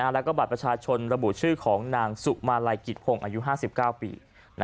แล้วก็บัตรประชาชนระบุชื่อของนางสุมาลัยกิจพงศ์อายุ๕๙ปี